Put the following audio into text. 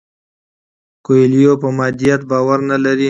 کویلیو په مادیت باور نه لري.